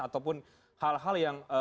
ataupun hal hal yang